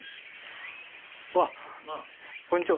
うわっこんにちは。